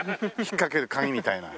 ひっかける鉤みたいな。